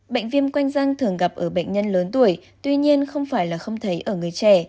bệnh viêm quanh răng thường gặp ở bệnh nhân lớn tuổi tuy nhiên không phải là không thấy ở người trẻ